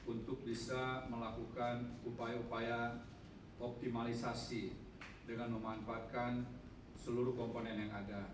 untuk bisa melakukan upaya upaya optimalisasi dengan memanfaatkan seluruh komponen yang ada